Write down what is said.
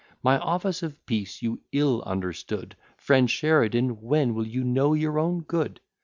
My offers of peace you ill understood; Friend Sheridan, when will you know your own good?